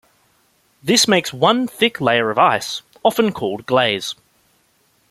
This makes one thick layer of ice, often called "glaze".